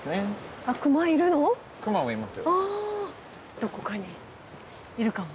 どこかにいるかも。